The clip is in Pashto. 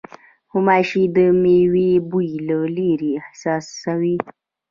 غوماشې د مېوې بوی له لېرې احساسوي.